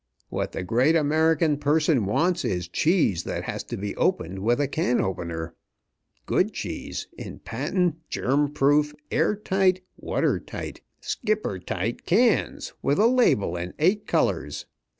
What the great American person wants is cheese that has to be opened with a can opener. Good cheese, in patent, germ proof, air tight, water tight, skipper tight cans, with a label in eight colors.